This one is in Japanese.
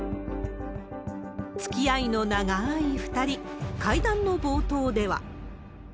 つきあいの長ーい２人、会談の冒頭では。